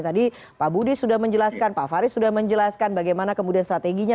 tadi pak budi sudah menjelaskan pak faris sudah menjelaskan bagaimana kemudian strateginya